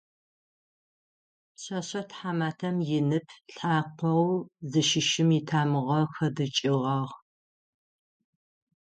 Пшъэшъэ тхьаматэм инып лӏакъоу зыщыщым итамыгъэ хэдыкӏыгъагъ.